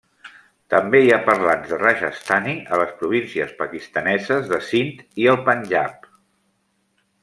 També hi ha parlants de rajasthani a les províncies pakistaneses de Sind i el Panjab.